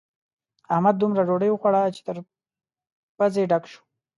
احمد دومره ډوډۍ وخوړه چې تر پزې ډک شو.